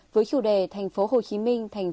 với chủ đề tp hcm